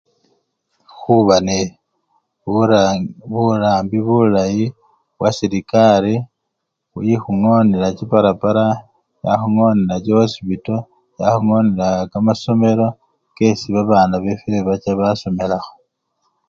Khuba ne! bura! burambi bulayi bwaserekari ekhungonela chiparapara, yakhungonela chikhosipito, yakhungonela kamasomelo kesi babanabefwe bacha basomelakho.